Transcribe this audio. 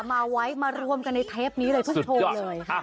มาไว้มารวมกันในเทปนี้สุดยอดค่ะ